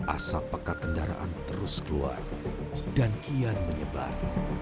asap pekat kendaraan terus keluar dan kian menyebar